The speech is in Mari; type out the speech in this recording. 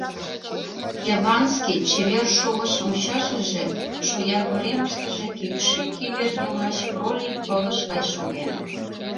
Яванский чевер шовыч мучашыже шоягоремыштыже кӱкшӱ кивер йымач кролик пылыш гай шоген.